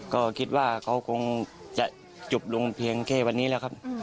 ก็คิดว่าเขาคงจะจบลงเพียงแค่วันนี้แล้วครับ